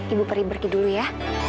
ibu peri pergi dulu ya